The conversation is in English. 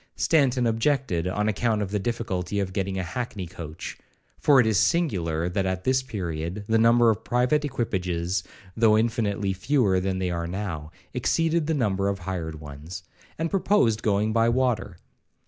Stanton objected, on account of the difficulty of getting a hackney coach, (for it is singular that at this period the number of private equipages, though infinitely fewer than they are now, exceeded the number of hired ones), and proposed going by water.